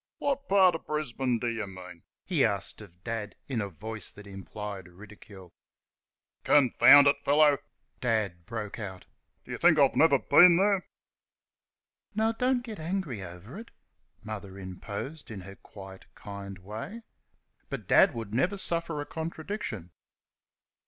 "What part of Brisbane d' y' mean?" he asked of Dad, in a voice that implied ridicule. "Confound it, feller!" Dad broke out; "do y' think I've never been there?" "Now, don't get angry over it," Mother interposed, in her quiet, kind way. But Dad would never suffer a contradiction.